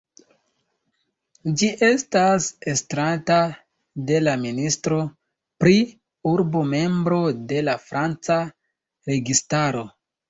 Ĝi estas estrata de la ministro pri urbo, membro de la franca registaro.